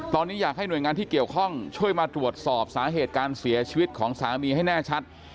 ตอนนี้อยากให้หน่วยงานที่เกี่ยวข้องช่วยมาตรวจสอบสาเหตุการเสียชีวิตของสามีให้แน่ชัด